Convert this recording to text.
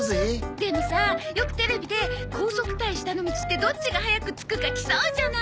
でもさよくテレビで高速対下の道ってどっちが早く着くか競うじゃない。